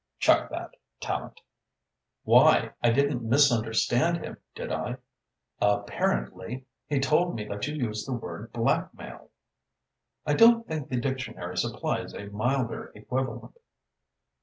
"Chuck that, Tallente." "Why? I didn't misunderstand him, did I?" "Apparently. He told me that you used the word 'blackmail.'" "I don't think the dictionary supplies a milder equivalent."